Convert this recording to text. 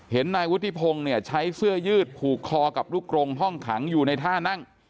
นายวุฒิพงศ์เนี่ยใช้เสื้อยืดผูกคอกับลูกกรงห้องขังอยู่ในท่านั่ง